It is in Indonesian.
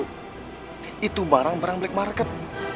barang barang itu itu barang barang black market